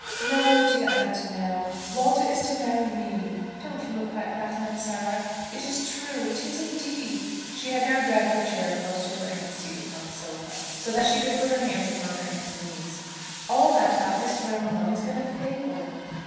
"No, dear aunt; no. Walter is to marry me. Don't look like that, Aunt Sarah. It is true; it is, indeed." She had now dragged her chair close to her aunt's seat upon the sofa, so that she could put her hands upon her aunt's knees. "All that about Miss Brownlow has been a fable."